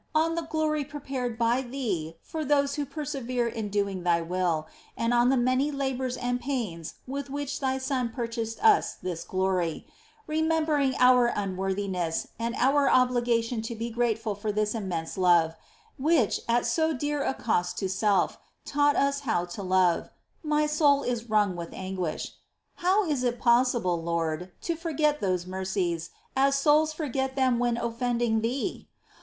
on the glory prepared by Thee for those who persevere in doing Thy will, and on the many labours and pains with which Thy Son purchased us this glory — remembering our unworthi ness and our obligation to be grateful for this immense love, which, at so dear a cost to self, taught us how to love — my soul is wrung with anguish. How is it possible. Lord, to forget those mercies, as souls forget them when offending Thee